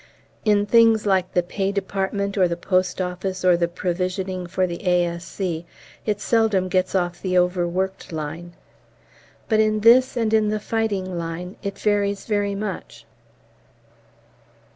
In things like the Pay Department or the Post Office or the Provisioning for the A.S.C. it seldom gets off the overworked line, but in this and in the fighting line it varies very much.